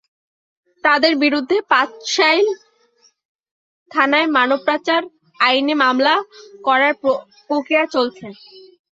তাঁদের বিরুদ্ধে পাঁচলাইশ থানায় মানব পাচার আইনে মামলা করার প্রক্রিয়া চলছে।